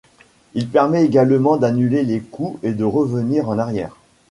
Il permet également d'annuler les coups et de revenir en arrière.